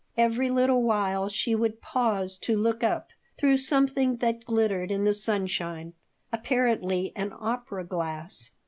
Every little while she would pause to look up through something that glittered in the sunshine, apparently an opera glass.